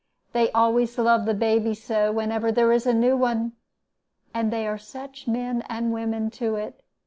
They always love the baby so, whenever there is a new one. And they are such men and women to it.